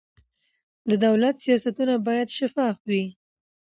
د دولت سیاستونه باید شفاف وي